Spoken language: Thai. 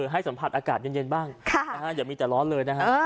ให้สัมผัสอากาศเย็นบ้างอย่ามีแต่ร้อนเลยนะฮะ